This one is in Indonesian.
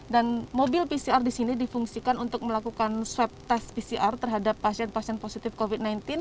dan mobil pcr di sini difungsikan untuk melakukan swab test pcr terhadap pasien pasien positif covid sembilan belas